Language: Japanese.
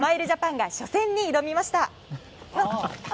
ジャパンが初戦に挑みました。